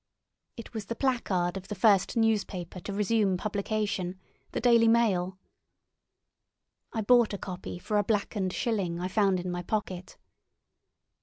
It was the placard of the first newspaper to resume publication—the Daily Mail. I bought a copy for a blackened shilling I found in my pocket.